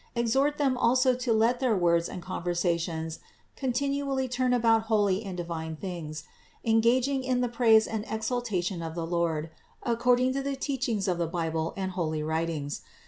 Exhort them also to let their words and conversations continually turn about holy and divine things, engaging in the praise and exaltation of the Lord according to the teachings of the Bible and holy writings.